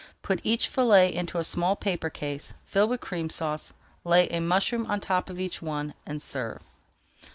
Put each fillet into a small paper case, fill with Cream Sauce, lay a mushroom on the top of each, and serve.